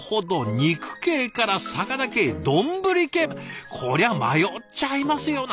肉系から魚系丼系こりゃ迷っちゃいますよな。